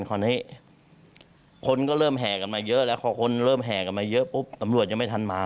คราวนี้คนก็เริ่มแห่กันมาเยอะแล้วพอคนเริ่มแห่กันมาเยอะปุ๊บตำรวจยังไม่ทันมา